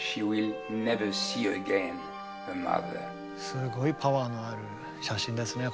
すごいパワーのある写真ですね